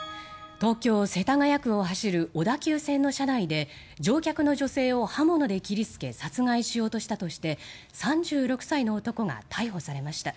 東京・世田谷区を走る小田急線の車内で乗客の女性を刃物で切りつけ殺害しようとしたとして３６歳の男が逮捕されました。